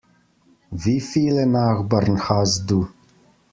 Wie viele Nachbarn hast du?